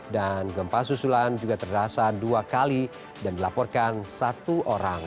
dan gempa susulan juga terasa dua kali dan dilaporkan satu orang